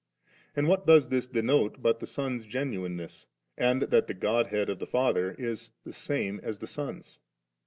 And what does this denote but the Son's genuineness, and that the God head of the Father is the same as the Son's 7